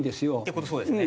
そうですね。